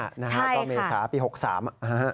ใช่ค่ะแล้วก็เมษาปี๖๓อะฮะฮะ